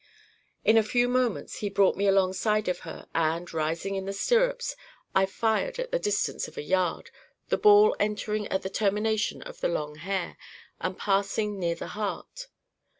In a few moments he brought me alongside of her, and, rising in the stirrups, I fired at the distance of a yard, the ball entering at the termination of the long hair, and passing near the heart.